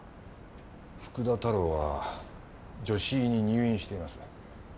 福田太郎は女子医に入院しています。